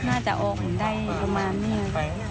น่าจะออกได้ประมาณนี้